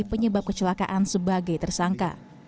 penyebab kecelakaan sebagai tersangka